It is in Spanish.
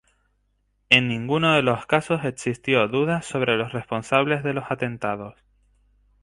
En ninguno de los casos existió dudas sobre los responsables de los atentados.